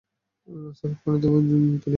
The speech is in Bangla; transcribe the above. রাস্তা-ঘাট পানিতে তলিয়ে গেছে।